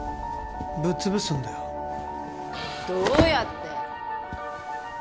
ぶっ潰すんだよどうやって？